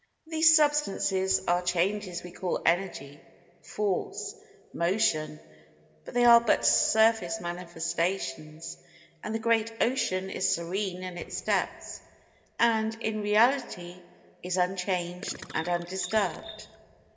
These disturbances and changes we call Energy, Force, Motion—but they are but surface manifestations, and the Great Ocean is serene in its depths, and, in reality, is unchanged and undisturbed.